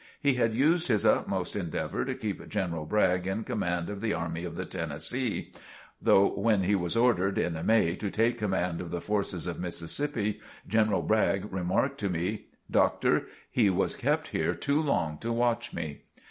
He had used his utmost endeavor to keep General Bragg in command of the Army of the Tennessee; though when he was ordered, in May, to take command of the forces of Mississippi, General Bragg remarked to me, "Doctor, he was kept here too long to watch me!"